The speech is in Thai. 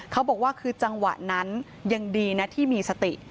เขาบอกว่าคือจังหวะนั้นยังดีนะที่มีสติ